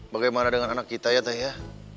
bagaimana dengan anak kita ya teteh